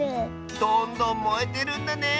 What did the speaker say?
どんどんもえてるんだね。